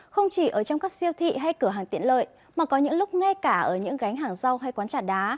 không chỉ ở trong các siêu thị hay cửa hàng tiện lợi mà có những lúc ngay cả ở những gánh hàng rau hay quán trà đá